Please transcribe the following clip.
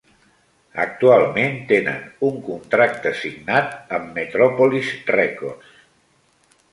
Actualment tenen un contracte signat amb Metropolis Records.